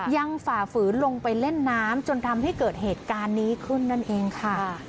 ฝ่าฝืนลงไปเล่นน้ำจนทำให้เกิดเหตุการณ์นี้ขึ้นนั่นเองค่ะ